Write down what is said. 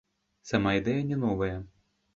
Сама ідэя не новая.